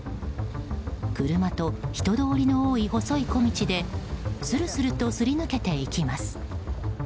車と人通りの多い細い小道でスルスルとすり抜けていきます。